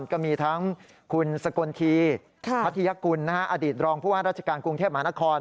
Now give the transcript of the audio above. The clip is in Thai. มันก็มีทั้งคุณศกลทีภัทยกุณอดิตรองภูวารัชกาลกรุงเทพมหานคร